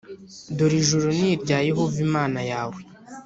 Dore ijuru ni irya Yehova Imana yawe,